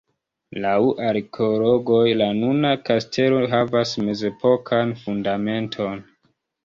Laŭ arkeologoj la nuna kastelo havas mezepokan fundamenton.